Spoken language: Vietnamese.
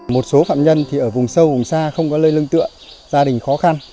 một số phạm nhân thì ở vùng sâu vùng xa không có lơi lưng tựa gia đình khó khăn